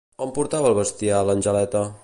On portava el bestiar l'Angeleta?